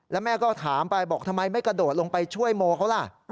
แล้วแม่ก็ถามไปบอกทำไมไม่กระโดดลงไปช่วยโมเขาล่ะ